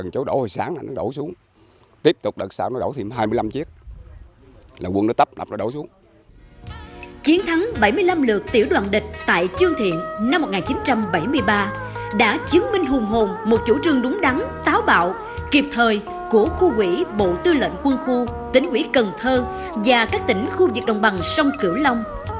chiến thắng bảy mươi năm lượt tiểu đoạn địch tại chương thiện năm một nghìn chín trăm bảy mươi ba đã chứng minh hùng hồn một chủ trương đúng đắn táo bạo kịp thời của khu quỹ bộ tư lệnh quân khu tỉnh quỹ cần thơ và các tỉnh khu vực đồng bằng sông cửu long